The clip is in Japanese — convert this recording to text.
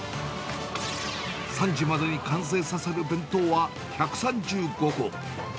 ３時までに完成させる弁当は、１３５個。